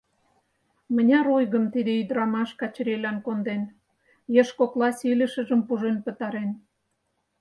Мыняр ойгым тиде ӱдрамаш Качырийлан конден, еш кокласе илышыжым пужен пытарен...